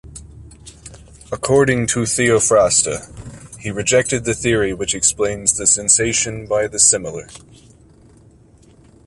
According to Théophraste, he rejected the theory which explains the sensation by the similar.